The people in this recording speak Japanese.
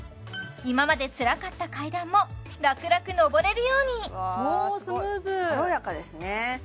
今までつらかった階段も楽々上れるようにおおスムーズすごい軽やかですね